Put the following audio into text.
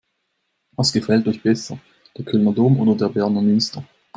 Was gefällt euch besser: Der Kölner Dom oder der Berner Münster?